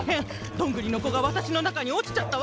どんぐりのこがわたしのなかにおちちゃったわ。